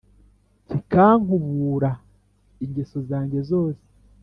kikankabura ingeso zange zose.